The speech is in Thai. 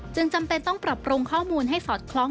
จำเป็นต้องปรับปรุงข้อมูลให้สอดคล้อง